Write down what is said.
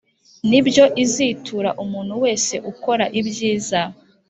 ni byo izitura umuntu wese ukora ibyiza